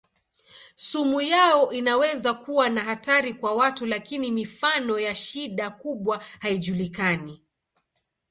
Sumu yao inaweza kuwa na hatari kwa watu lakini mifano ya shida kubwa haijulikani.